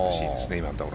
今のところ。